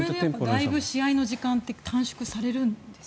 だいぶ、試合の時間って短縮されるんですか？